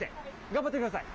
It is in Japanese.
頑張ってください。